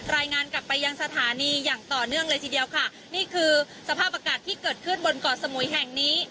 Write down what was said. รายงานกลับไปยังสถานีอย่างต่อเนื่องเลยทีเดียวค่ะนี่คือสภาพอากาศที่เกิดขึ้นบนเกาะสมุยแห่งนี้